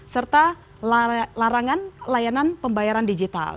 serta larangan layanan pembayaran digital